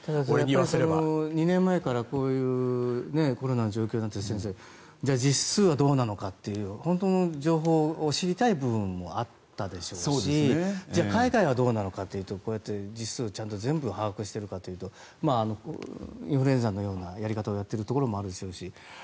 ただ、２年前からこういうコロナの状況になって先生じゃあ、実数はどうなのかという本当の情報を知りたい部分もあったでしょうし海外はどうなのかというと実数を全部把握してるかというとインフルエンザのようなやり方をやっているところもあるでしょうし。